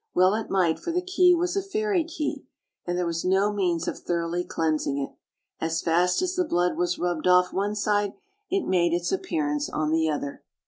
Well it might, for the key was a fairy key, and there was no means of thoroughly cleansing it; as fast as the blood was rubbed off one side, it made its appearance on the other.